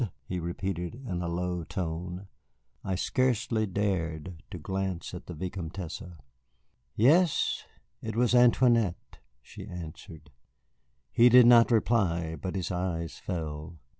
he repeated in a low tone. I scarcely dared to glance at the Vicomtesse. "Yes, it was Antoinette," she answered. He did not reply, but his eyes fell.